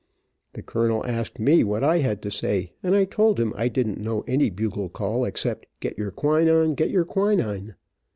The colonel asked me what I had to say, and I told him I didn't know any bugle call except get your quinine, get your quinine.